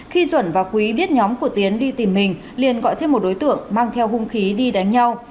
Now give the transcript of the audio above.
khi duẩn và quý biết nhóm của tiến đi tìm mình liền gọi thêm một đối tượng mang theo hung khí đi đánh nhau